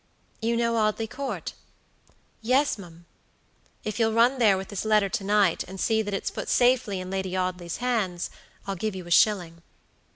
"You know Audley Court?" "Yes, mum." "If you'll run there with this letter to night, and see that it's put safely in Lady Audley's hands, I'll give you a shilling."